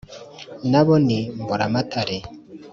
Nabo ni Mburamatare